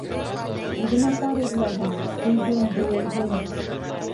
Үҙенә пар эҙләһен, һөйһөн, һөйөлһөн.